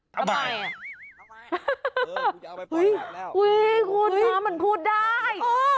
ทำไมเออกูจะเอาไปปล่อยวัดแล้วอุ้ยคุณน้ำมันพูดได้อ๋อ